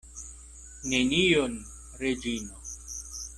Nenion, Reĝino.